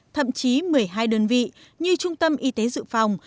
thậm chí một mươi hai đơn vị như trung tâm y tế dự phòng